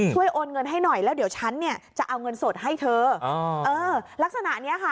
โอนเงินให้หน่อยแล้วเดี๋ยวฉันเนี่ยจะเอาเงินสดให้เธอเออลักษณะเนี้ยค่ะ